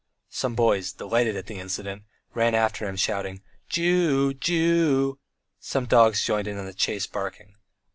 Some boys, delighted at the incident, ran after him shouting "Jew! Jew!" Some dogs joined in the chase barking.